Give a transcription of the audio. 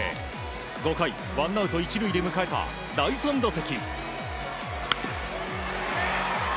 ５回、ワンアウト１塁で迎えた第３打席。